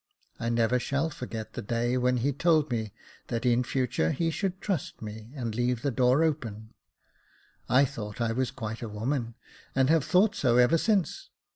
I never shall forget the day when he told Jacob Faithful 197 me that in future he should trust me, and leave the door open. I thought I was quite a woman, and have thought so ever since.